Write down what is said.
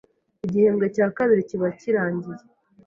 igihembwe cya kabiri kiba kirangiye